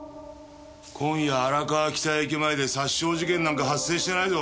今夜荒川北駅前で殺傷事件なんか発生してないぞ。